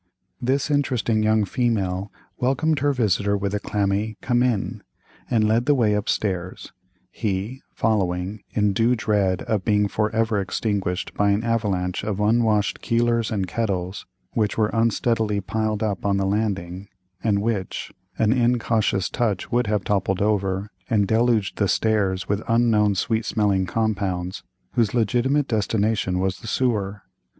This interesting young female welcomed her visitor with a clammy "Come in," and led the way up stairs, he following, in due dread of being for ever extinguished by an avalanche of unwashed keelers and kettles, which were unsteadily piled up on the landing, and which an incautious touch would have toppled over, and deluged the stairs with unknown sweet smelling compounds, whose legitimate destination was the sewer.